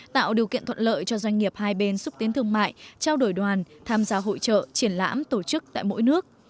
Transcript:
tạo điều kiện thuận lợi cho doanh nghiệp hai bên xúc tiến thương mại trao đổi đoàn tham gia hội trợ triển lãm tổ chức tại mỗi nước